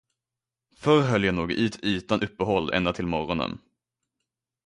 Förr höll jag nog ut utan uppehåll ända till morgonen.